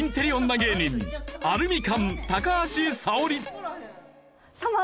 芸人アルミカン高橋沙織。